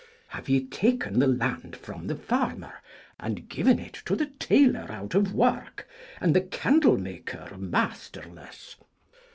Have ye taken the land from the farmer, and given it to the tailor out of work and the candlemaker masterless?